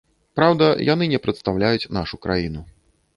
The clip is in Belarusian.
Праўда, яны не прадстаўляюць нашу краіну.